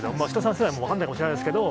世代は分からないかもしれないですけど。